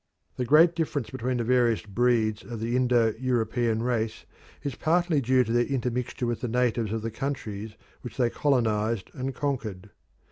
The great difference between the various breeds of the Indo European race is partly due to their intermixture with the natives of the countries which they colonised and conquered.